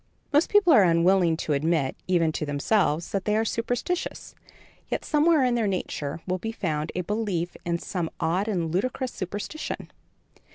Most people are unwilling to admit, even to themselves, that they are superstitious, yet somewhere in their nature will be found a belief in some odd and ludicrous superstition.